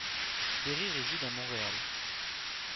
Berry réside à Montréal.